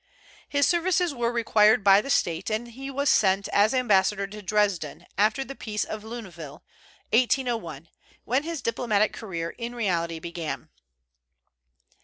His services were required by the State, and he was sent as ambassador to Dresden, after the peace of Luneville, 1801, when his diplomatic career in reality began.